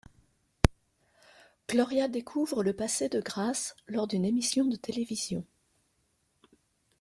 Gloria découvre le passé de Grace lors d'une émission de télévision.